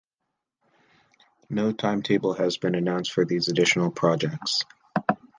No timetable has been announced for these additional projects.